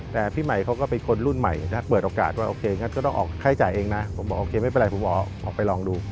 แต่พี่ใหม่เขาก็เป็นคนรุ่นใหม่ถ้าเปิดโอกาสว่าโอเคงั้นก็ต้องออกค่าใช้จ่ายเองนะผมบอกโอเคไม่เป็นไรผมออกไปลองดู